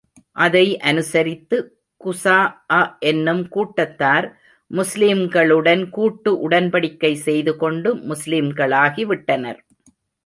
அதை அனுசரித்து குஸாஅ என்னும் கூட்டத்தார், முஸ்லிம்களுடன் கூட்டு உடன்படிக்கை செய்து கொண்டு, முஸ்லிம்களாகி விட்டனர்.